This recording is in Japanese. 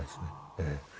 ええ。